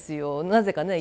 なぜかね